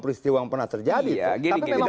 peristiwa yang pernah terjadi tapi tidak